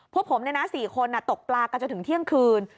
พวกผมเนี่ยนะ๔คนตกปลาก็จะถึงเที่ยงคืน